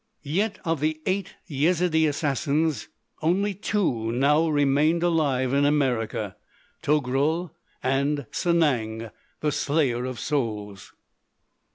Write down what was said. Yet, of the Eight Yezidee Assassins only two now remained alive in America,—Togrul, and Sanang, the Slayer of Souls.